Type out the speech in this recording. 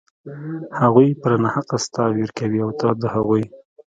هغوى پر ناحقه ستا وير کوي او ته د هغوى.